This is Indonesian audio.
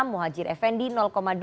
muhajir effendi dua persen